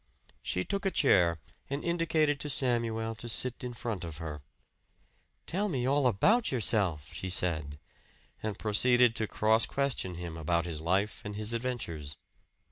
She took a chair and indicated to Samuel to sit in front of her. "Tell me all about yourself," she said; and proceeded to cross question him about his life and his adventures.